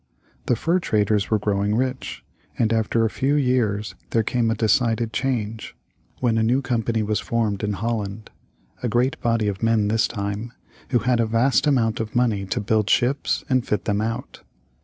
The fur traders were growing rich, and after a few years there came a decided change, when a new company was formed in Holland; a great body of men this time, who had a vast amount of money to build ships and fit them out.